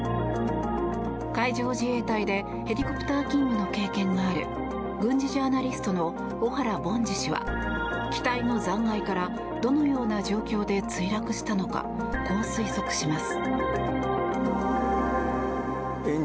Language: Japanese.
海上自衛隊でヘリコプター勤務の経験がある軍事ジャーナリストの小原凡司氏は機体の残骸からどのような状況で墜落したのかこう推測します。